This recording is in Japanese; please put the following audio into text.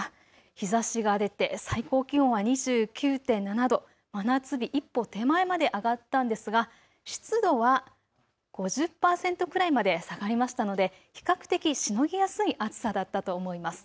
日ざしが出て最高気温は２９．７度、真夏日一歩手前まで上がったんですが湿度は５０％くらいまで下がりましたので比較的しのぎやすい暑さだったと思います。